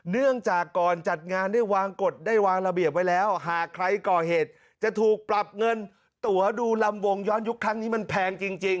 เนื่องจากก่อนจัดงานได้วางกฎได้วางระเบียบไว้แล้วหากใครก่อเหตุจะถูกปรับเงินตัวดูลำวงย้อนยุคครั้งนี้มันแพงจริง